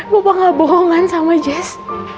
bapak gak bohongan sama jazz